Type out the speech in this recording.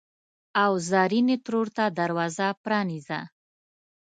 او زرینې ترور ته دروازه پرانیزه!